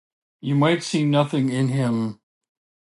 You might see nothing in him.